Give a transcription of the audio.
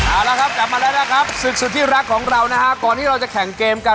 เอาละครับกลับมาแล้วนะครับศึกสุดที่รักของเรานะฮะก่อนที่เราจะแข่งเกมกัน